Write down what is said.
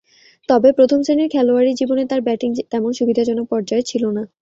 তবে, প্রথম-শ্রেণীর খেলোয়াড়ী জীবনে তার ব্যাটিং তেমন সুবিধাজনক পর্যায়ের ছিল না।